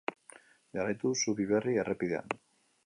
Jarraitu Zubi Berri errepidean.